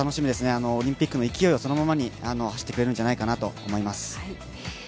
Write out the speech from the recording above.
オリンピックの勢いをそのままに走ってくれるんじゃないかなと思います。